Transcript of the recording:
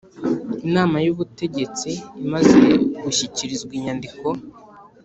Inama y Ubutegetsi imaze gushyikirizwa inyandiko